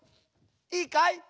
いいかい？